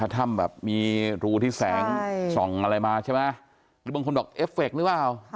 ถ้ำแบบมีรูที่แสงส่องอะไรมาใช่ไหมหรือบางคนบอกเอฟเฟคหรือเปล่า